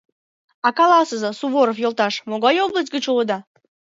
А каласыза, Суворов йолташ, могай область гыч улыда?